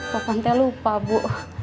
poponnya lupa bu